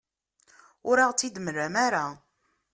Ur aɣ-tt-id-temlam ara.